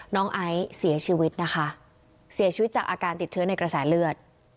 ไอซ์เสียชีวิตนะคะเสียชีวิตจากอาการติดเชื้อในกระแสเลือด